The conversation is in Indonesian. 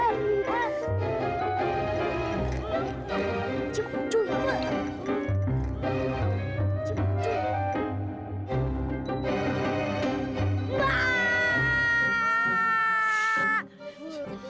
aduh aduh aduh